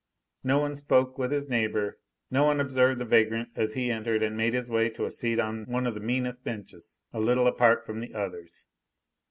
No one spoke with his neighbor; no one observed the vagrant as he entered and made his way to a seat on one of the meanest benches, a little apart from the others.